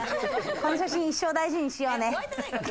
この写真、一生大事にしようね。